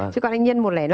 chứ còn anh nhân một lẻ năm